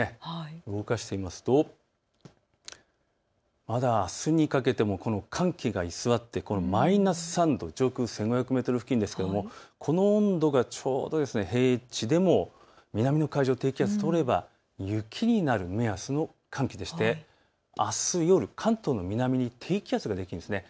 動かすとまだ、あすにかけてもこの寒気が居座ってマイナス３度、上空１５００メートル付近ですがこの温度がちょうど平地でも南の海上を低気圧が通れば雪になる目安の寒気であす夜、関東の南に低気圧ができるんです。